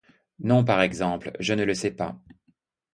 Non, par exemple, je ne le sais pas !